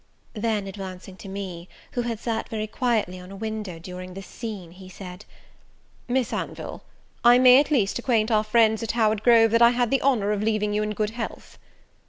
Then, advancing to me, who had sat very quietly on a window during this scene, he said, "Miss Anville, I may at least acquaint our friends at Howard Grove that I had the honour of leaving you in good health."